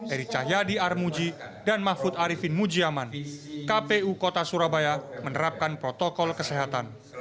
eri cahyadi armuji dan mahfud arifin mujiaman kpu kota surabaya menerapkan protokol kesehatan